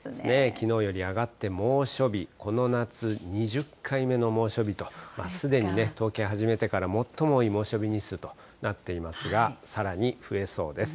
きのうより上がって猛暑日、この夏２０回目の猛暑日と、すでに統計始めてから最も多い猛暑日日数となっていますが、さらに増えそうです。